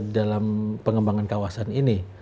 dalam pengembangan kawasan ini